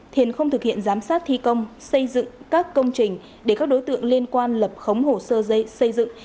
thiền không thực hiện giám sát thi công xây dựng các công trình để các đối tượng liên quan lập khống hồ sơ xây dựng